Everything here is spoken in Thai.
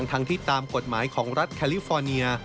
ทั้งที่ตามกฎหมายของรัฐแคลิฟอร์เนีย